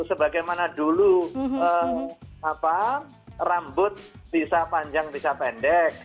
sebagaimana dulu rambut bisa panjang bisa pendek